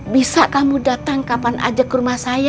bisa kamu datang kapan aja ke rumah saya